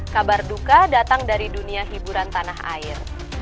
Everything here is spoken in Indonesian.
kabar duka datang dari dunia hiburan tanah air